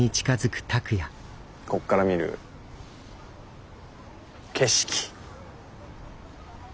ここから見る景色。